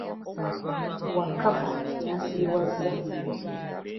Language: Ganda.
Wakkapa yansiriwazza!